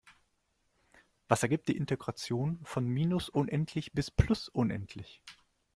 Was ergibt die Integration von minus unendlich bis plus unendlich?